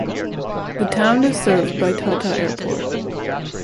The town is served by Tata Airport.